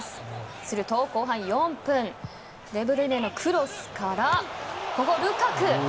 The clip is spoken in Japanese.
すると後半４分デブルイネのクロスからここ、ルカク。